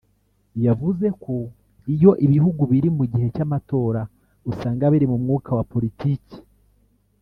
yavuze ko iyo ibihugu biri mu gihe cy’amatora usanga biri mu mwuka wa politiki